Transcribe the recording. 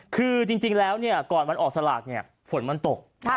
คือจริงแล้วก่อนวันออกสลากเนี่ยฝนมันตก